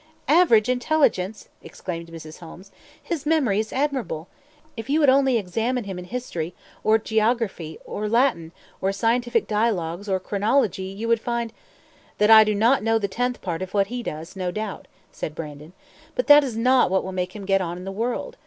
"Average intelligence!" exclaimed Mrs. Holmes; "his memory is admirable. If you would only examine him in history, or geography, or Latin, or scientific dialogues, or chronology, you would find " "That I do not know the tenth part of what he does, no doubt," said Brandon. "But that is not what will make him get on in the world.